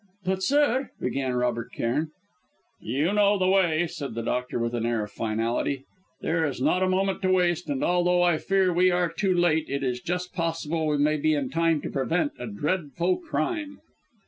"But, sir " began Robert Cairn. "You know the way," said the doctor, with an air of finality. "There is not a moment to waste, and although I fear that we are too late, it is just possible we may be in time to prevent a dreadful crime."